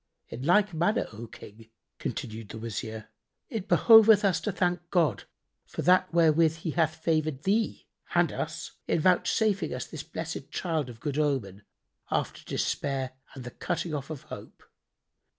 "In like manner, O King," continued the Wazir, "it behoveth us to thank God for that wherewith He hath favoured thee and us in vouchsafing us this blessed child of good omen, after despair and the cutting off of hope.